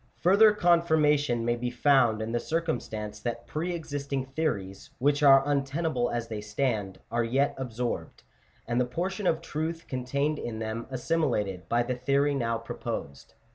M Farther confirmation may be found in the circumstance that pre existing theories, which are untenable as they stand, are yet absorbed, and the portion of truth contained in them assimi lated, by the theory now proposed.